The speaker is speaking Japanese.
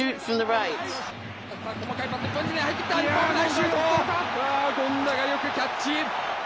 いや、権田がよくキャッチ。